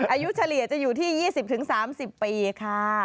เฉลี่ยจะอยู่ที่๒๐๓๐ปีค่ะ